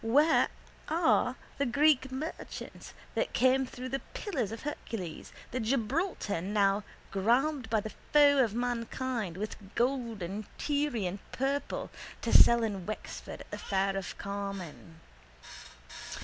Where are the Greek merchants that came through the pillars of Hercules, the Gibraltar now grabbed by the foe of mankind, with gold and Tyrian purple to sell in Wexford at the fair of Carmen?